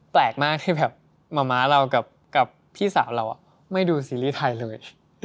แปลกมากที่แบบมะม้าเรากับพี่สาวเราไม่ดูซีรีส์ไทยเลย